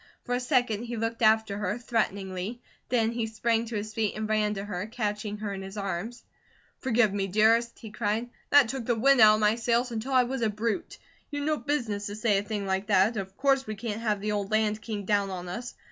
For a second he looked after her threateningly, then he sprang to his feet, and ran to her, catching her in his arms. "Forgive me, dearest," he cried. "That took the wind out of my sails until I was a brute. You'd no business to SAY a thing like that. Of course we can't have the old Land King down on us.